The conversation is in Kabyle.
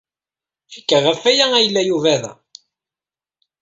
Cikkeɣ ɣef waya ay yella Yuba da.